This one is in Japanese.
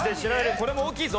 これも大きいぞ。